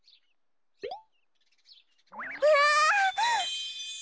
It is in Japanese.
・うわ！